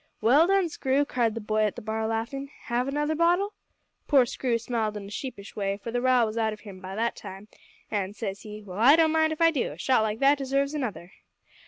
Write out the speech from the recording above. "`Well done, Screw!' cried the boy at the bar, laughin'; `have another bottle?' "Poor Screw smiled in a sheepish way, for the rile was out of him by that time, an', says he, `Well, I don't mind if I do. A shot like that deserves another!'